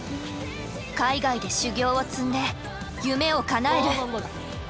海外で修業を積んで夢をかなえる！